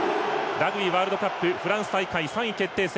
ラグビーワールドカップフランス大会、３位決定戦